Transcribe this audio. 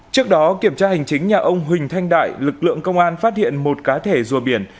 trước đó kiểm tra hành chính nhà ông huỳnh thanh đại lực lượng công an phát hiện một cá thể rùa biển